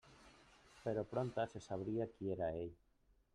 Però prompte se sabria qui era ell.